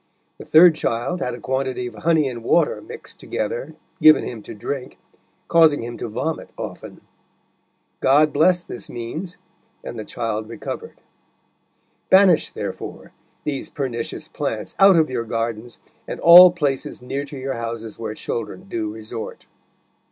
The third child had a quantity of honey and water mixed together given him to drink, causing him to vomit often. God blessed this means, and the child recovered. Banish, therefore, these pernicious plants out of your gardens, and all places near to your houses where children do resort."